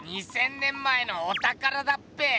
２，０００年前のおたからだっぺ！